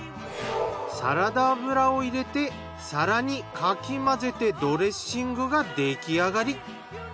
サラダ油を入れて更にかき混ぜてドレッシングが出来上がり。